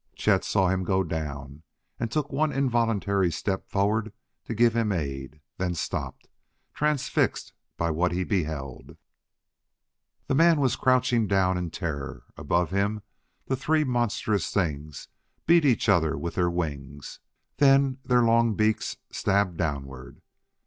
Chet saw him go down and took one involuntary step forward to give him aid then stopped, transfixed by what he beheld. The man was down crouching in terror. Above him the three monstrous things beat each other with their wings; then their long beaks stabbed downward.